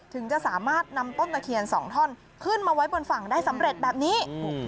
ถึงจะสามารถนำต้นตะเคียนสองท่อนขึ้นมาไว้บนฝั่งได้สำเร็จแบบนี้